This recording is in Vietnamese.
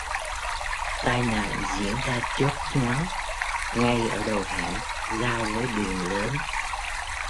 Tai nạn diễn ra chớp nhoáng ngay ở đầu hẻm giao với đường lớn